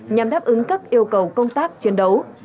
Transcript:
nhằm đáp ứng các yêu cầu công tác chiến đấu